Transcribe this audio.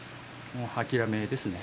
もう諦めですね。